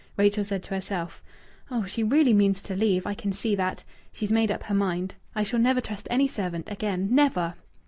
Rachel said to herself: "Oh, she really means to leave! I can see that. She's made up her mind.... I shall never trust any servant again never!"